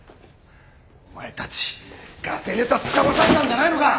お前たちガセネタつかまされたんじゃないのか！？